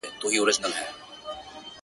چي ته مي غاړه پرې کوې زور پر چاړه تېرېږي.!